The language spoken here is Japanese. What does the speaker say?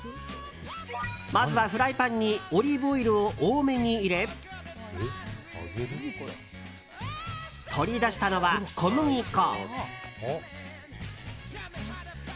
まずはフライパンにオリーブオイルを多めに入れ取り出したのは、小麦粉。